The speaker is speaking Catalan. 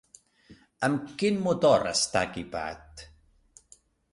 Amb quin motor està equipat?